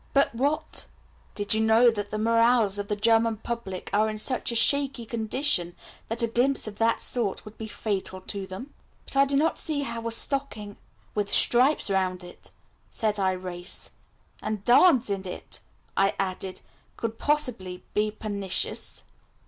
"But what " "Did you know that the morals of the German public are in such a shaky condition that a glimpse of that sort would be fatal to them?" "But I don't see how a stocking " "With stripes round it," said Irais. "And darns in it," I added, " could possibly be pernicious?"